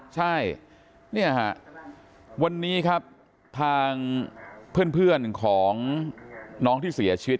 ใช่เนี่ยฮะวันนี้ครับทางเพื่อนของน้องที่เสียชีวิต